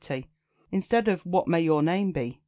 Instead of "What may your name be?"